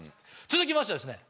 続きましてですね